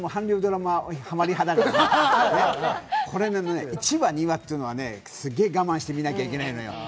俺、ハマり派だから１話、２話っていうのはすごい我慢して見なきゃいけないのよ。